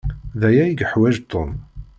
D aya i yeḥwaj Tom.